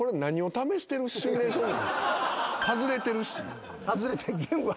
外れてるし。